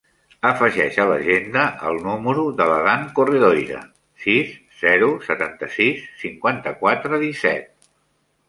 Afegeix a l'agenda el número de l'Adán Corredoira: sis, zero, setanta-sis, cinquanta-quatre, disset.